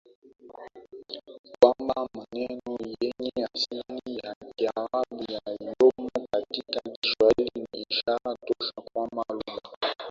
kwamba maneno yenye asili ya Kiarabu yaliyomo katika Kiswahili ni ishara tosha kwamba lugha